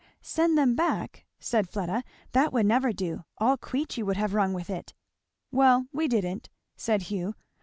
"Send them back!" said Fleda. "That would never do! All Queechy would have rung with it." "Well, we didn't," said Hugh.